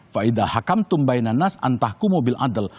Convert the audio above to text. fa idahakam tumbai nanas antahku mobil adil